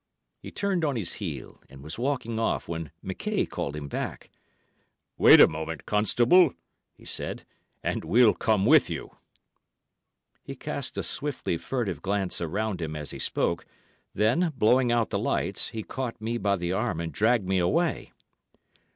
He turned on his heel, and was walking off, when McKaye called him back. "Wait a moment, constable," he said, "and we'll come with you." He cast a swiftly furtive glance around him as he spoke, then, blowing out the lights, he caught me by the arm and dragged me away.